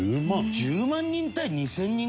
１０万人対２０００人でしょ？